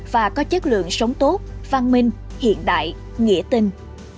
và có chất lượng sống tốt văn minh hiện đại nghĩa tình